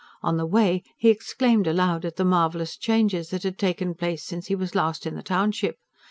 On the way, he exclaimed aloud at the marvellous changes that had taken place since he was last in the township.